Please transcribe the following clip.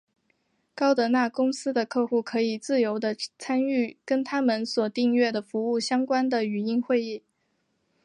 高德纳公司的客户可以自由的参与跟它们所订阅的服务相关的语音会议。